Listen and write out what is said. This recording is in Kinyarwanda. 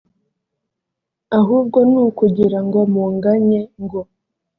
ahubwo ni ukugira ngo munganye ngo